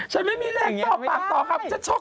ฉันไม่มีแรงต่อปากต่อคำฉันช็อก